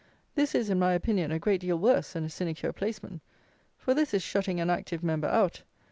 This is, in my opinion, a great deal worse than a sinecure placeman; for this is shutting an active Member out.